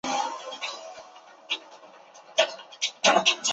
他在赫梅利尼茨基起义中积极镇压哥萨克。